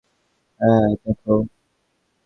হ্যাঁ, দেখো।